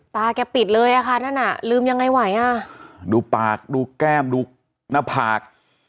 ตาแกปิดเลยอ่ะค่ะนั่นอ่ะลืมยังไงไหวอ่ะดูปากดูแก้มดูหน้าผาก